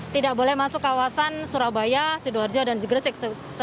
tidak boleh masuk kawasan surabaya sidoarjo dan gresik